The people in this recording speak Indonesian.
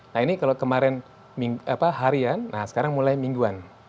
nah ini kalau kemarin harian nah sekarang mulai mingguan